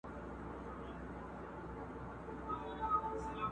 یوه ورځ صحرايي راغی پر خبرو٫